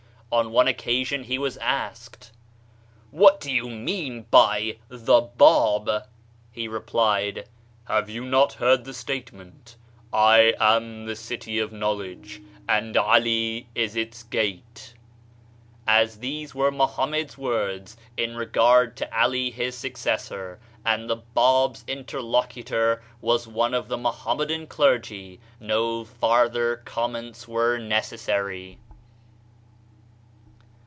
On one occasion he was asked : "What do you mean by the Bab?" He replied: "Have you not heard the statement, 'I am the city of knowledge, and Ali is its gate'?" As these were Mohammed's words in regard to Ali, his successor, and the Bab's interlocutor was one of the Mohammedan clergy, no farther comments were necessary.